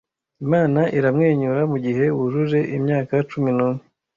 Imana iramwenyura mugihe wujuje imyaka cumi n'umwe.